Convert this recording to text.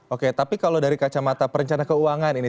oke tapi kalau dari kacamata perencana keuangan ini